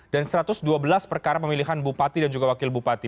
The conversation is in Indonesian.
satu ratus dua belas perkara pemilihan bupati dan juga wakil bupati